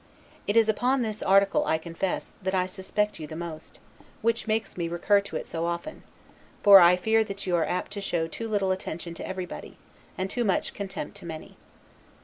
It is upon this article, I confess, that I suspect you the most, which makes me recur to it so often; for I fear that you are apt to show too little attention to everybody, and too much contempt to many.